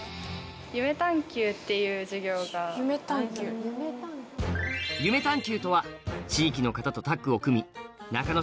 そんな夢探究とは地域の方とタッグを組み中ノ